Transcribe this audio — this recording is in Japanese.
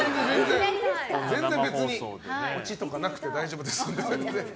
全然、オチとかなくて大丈夫ですので。